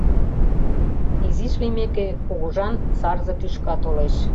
Изиш лиймеке, кугыжан сарзе тӱшка толеш.